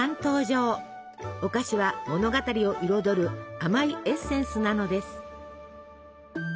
おかしは物語を彩る甘いエッセンスなのです。